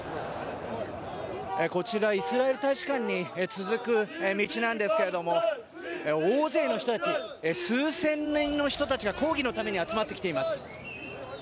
こちらイスラエル大使館に続く道なんですが大勢の人たち、数千人の人たちが抗議のために集まってきています。